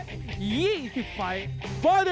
คนนี้มาจากอำเภออูทองจังหวัดสุภัณฑ์บุรีนะครับ